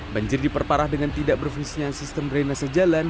banjir diperparah dengan tidak berfungsinya sistem drainase jalan